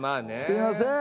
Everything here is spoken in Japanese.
すいません。